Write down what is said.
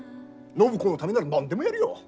暢子のためなら何でもやるよ！